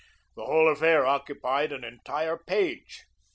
The whole affair occupied an entire page.